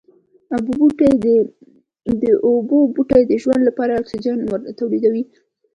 اوبو بوټي د ژوند لپاره اکسيجن توليدوي